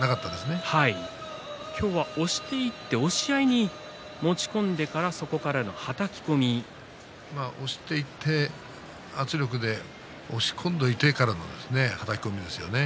今日は押していって押し合いに持ち込んで押し込んでおいてからのはたき込みですね。